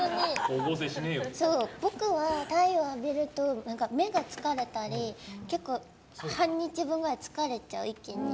僕は太陽浴びると目が疲れたり結構、半日分ぐらい一気に疲れちゃう。